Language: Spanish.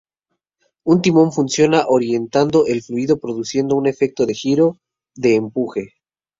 Un timón funciona orientando el fluido produciendo un efecto de giro o de empuje.